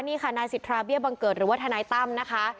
นี่ค่ะนายสิทธาเบี้ยบังเกิดหรือว่าทนายตั้มนะคะ